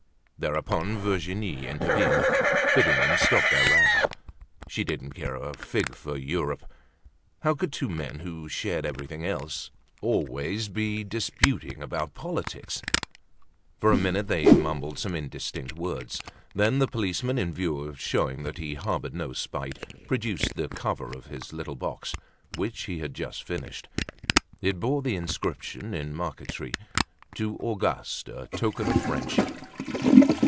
Thereupon Virginie intervened, bidding them stop their row. She didn't care a fig for Europe. How could two men, who shared everything else, always be disputing about politics? For a minute they mumbled some indistinct words. Then the policeman, in view of showing that he harbored no spite, produced the cover of his little box, which he had just finished; it bore the inscription in marquetry: "To Auguste, a token of friendship."